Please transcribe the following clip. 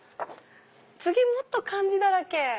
次もっと漢字だらけ！